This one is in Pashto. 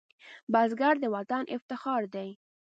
بزګر د وطن افتخار دی